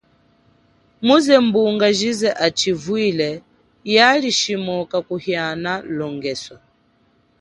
Muze mbunga jize achivwile yaalishimwoka kuhiana longeso.